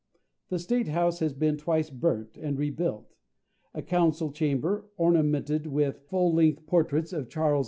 The State House has been twice burnt, and rebuilt. A council chamber, ornamented with full length portraits of Charles II.